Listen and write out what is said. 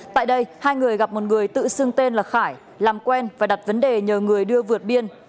tại đây hai người gặp một người tự xưng tên là khải làm quen và đặt vấn đề nhờ người đưa vượt biên